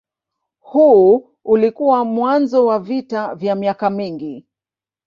Huu ulikuwa mwanzo wa vita vya miaka mingi.